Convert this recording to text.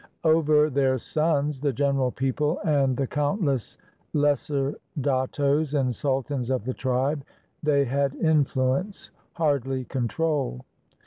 Over their "sons" — the general people and the countless lesser dattos and sultans of the tribe — they had influence, hardly control.